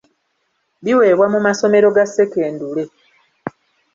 Biweebwa mu masomero ga Sekendule.